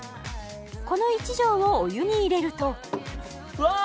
この１錠をお湯に入れるとわ！